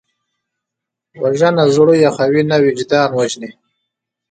وژنه زړه یخوي نه، وجدان وژني